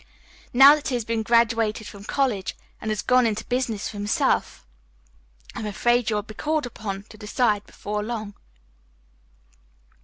"Now that he has been graduated from college and has gone into business for himself, I am afraid you will be called upon to decide before long."